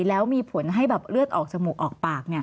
แล้วมีผลให้แบบเลือดออกจมูกออกปาก